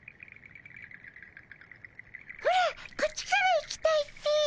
オラこっちから行きたいっピィ。